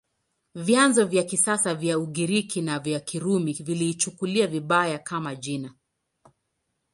Vyanzo vya kisasa vya Ugiriki na vya Kirumi viliichukulia vibaya, kama jina.